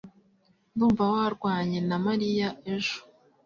Ndumva warwanye na mariya ejo